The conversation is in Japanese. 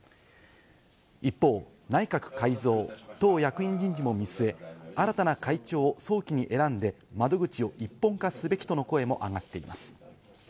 一方、内閣改造・党役員人事も見据え、新たな会長を早期に選んで窓口を一本化すべきとの声も上がっています。